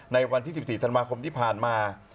ในวันที่๑๔ธันวาคมที่ผ่านมา